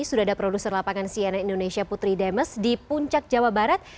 sudah ada produser lapangan cnn indonesia putri demes di puncak jawa barat